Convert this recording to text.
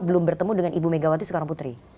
belum bertemu dengan ibu megawati soekarno putri